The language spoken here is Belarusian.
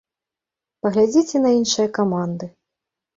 Паглядзіце на іншыя каманды.